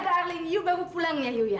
darlita darling yuk bawa gue pulang ya yuk ya